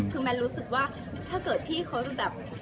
คือแมนรู้สึกว่าถ้าเกิดพี่เขาแบบ